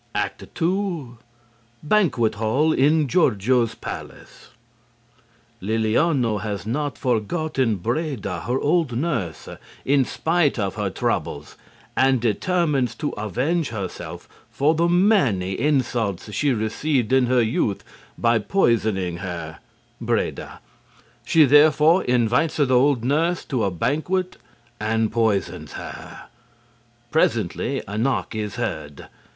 ACT 2 Banquet Hall in Gorgio's Palace. Lilliano has not forgotten Breda, her old nurse, in spite of her troubles, and determines to avenge herself for the many insults she received in her youth by poisoning her (Breda). She therefore invites the old nurse to a banquet and poisons her. Presently a knock is heard.